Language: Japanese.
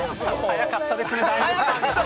早かったですね、だいぶ。